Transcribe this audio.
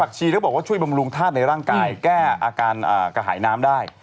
ชีก็บอกว่าช่วยบำรุงธาตุในร่างกายแก้อาการกระหายน้ำได้